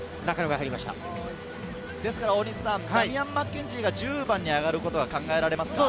ダミアン・マッケンジーが１０番に上がることが考えられますか？